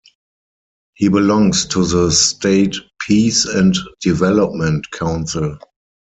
He belongs to the State Peace and Development Council.